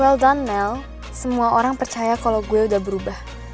well done mel semua orang percaya kalo gue udah berubah